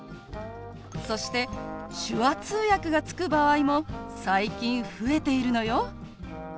そして手話通訳がつく場合も最近増えているのよ。